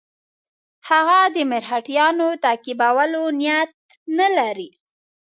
هغه د مرهټیانو تعقیبولو نیت نه لري.